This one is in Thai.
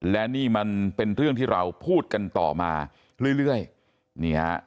และนี่มันเป็นเรื่องที่เราพูดกันต่อมาเรื่อย